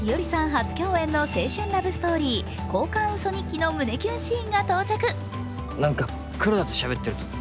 初共演の青春ラブストーリー、「交換ウソ日記」の胸キュンシーンが到着。